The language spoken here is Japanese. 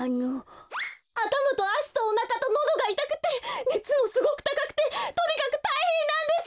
あたまとあしとおなかとのどがいたくてねつもすごくたかくてとにかくたいへんなんです！